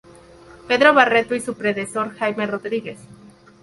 Pedro Barreto y su predecesor Jaime Rodríguez.